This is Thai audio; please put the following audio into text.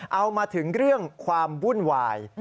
เอามาถึงเรื่องความวุ่นวาย